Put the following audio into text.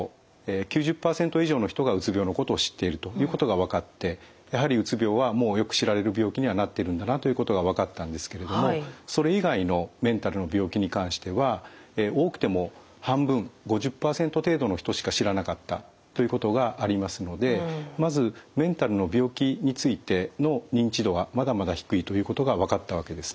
９０％以上の人がうつ病のことを知っているということが分かってやはりうつ病はもうよく知られる病気にはなっているんだなということが分かったんですけれどもそれ以外のメンタルの病気に関しては多くても半分５０％程度の人しか知らなかったということがありますのでまずメンタルの病気についての認知度がまだまだ低いということが分かったわけですね。